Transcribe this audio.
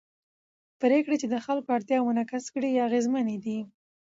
پرېکړې چې د خلکو اړتیاوې منعکس کړي اغېزمنې دي